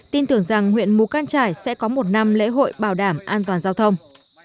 tin tưởng rằng huyện mù cang trải sẽ có một năm lễ hội bảo đảm an toàn giao thông